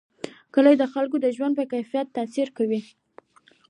کلي د خلکو د ژوند په کیفیت تاثیر کوي.